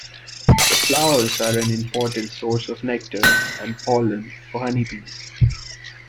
The flowers are an important source of nectar and pollen for honey bees.